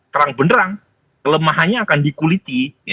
terang benerang kelemahannya akan dikuliti